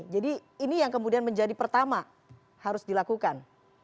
jadi ini yang kemudian menjadi pertama harus dilakukan